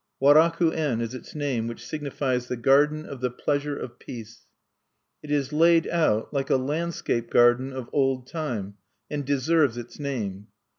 Waraku en is its name, which signifies, "The Garden of the Pleasure of Peace." It is laid out like a landscape garden of old time, and deserves its name.